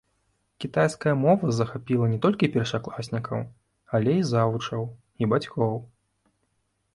Кітайская мова захапіла не толькі першакласнікаў, але і завучаў, і бацькоў.